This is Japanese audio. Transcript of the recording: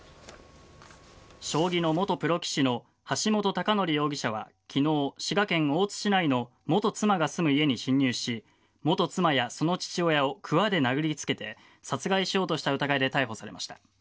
将棋の元プロ棋士の橋本崇載容疑者は昨日、滋賀県大津市内の元妻が住む家に侵入し元妻や、その父親をくわで殴りつけて殺害しようとした疑いで逮捕されました。